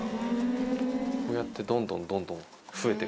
こうやってどんどんどんどん増えてく。